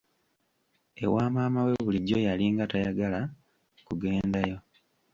Ewa maama we bulijjo yalinga tayagala kugendayo.